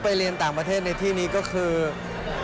ไปเรียนต่างประเทศในที่นี้ก็คือ